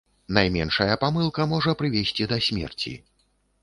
Найменшая памылка можа прывесці да смерці.